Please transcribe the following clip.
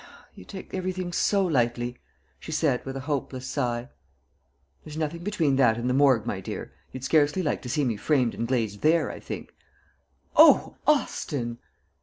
"You take everything go lightly," she said with a hopeless sigh. "There's nothing between that and the Morgue, my dear. You'd scarcely like to see me framed and glazed there, I think." "O, Austin!"